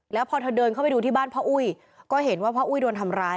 แล้วพอเธอเดินเข้าไปดูที่บ้านพ่ออุ้ยก็เห็นว่าพ่ออุ้ยโดนทำร้าย